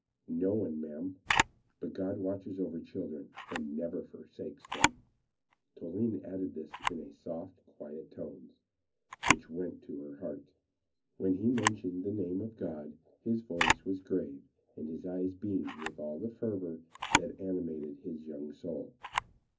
"No one, madam; but God watches over children and never forsakes them." Toline said this in soft, quiet tones, which went to the heart. When he mentioned the name of God his voice was grave and his eyes beamed with all the fervor that animated his young soul.